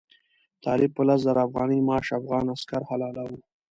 طالب په لس زره افغانۍ معاش افغان عسکر حلالاوه.